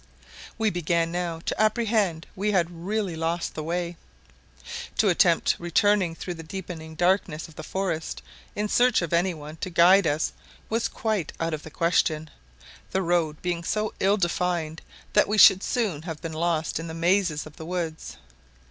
We began now to apprehend we had really lost the way. To attempt returning through the deepening darkness of the forest in search of any one to guide us was quite out of the question, the road being so ill defined that we should soon have been lost in the mazes of the woods.